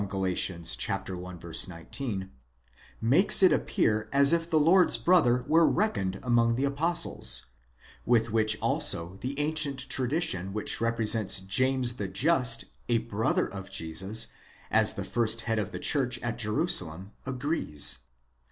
Gal. i. 19), makes it appear as if the Lord's brother were reckoned among the apostles ; with which also the ancient tradition which represents James the Just, a brother of Jesus, as the first head of the church at Jerusalem, agrees.